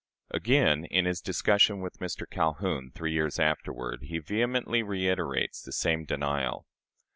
" Again, in his discussion with Mr. Calhoun, three years afterward, he vehemently reiterates the same denial.